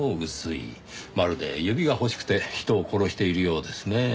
まるで指が欲しくて人を殺しているようですねぇ。